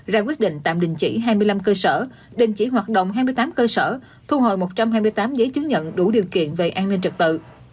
ra quyết định tạm đình chỉ hai mươi năm cơ sở đình chỉ hoạt động hai mươi tám cơ sở thu hồi một trăm hai mươi tám giấy chứng nhận đủ điều kiện về an ninh trật tự